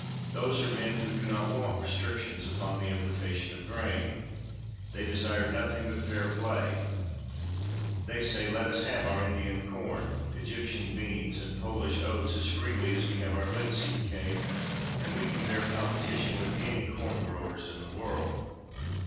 Those are men who do not want re strictions upon the importation of grain. They desire nothing but fair play. They say: "Let us have our Indian corn, Egyptian beans, and Polish oats as freely as we have our linseed cake, and we can bear competition with any corn growers in the world."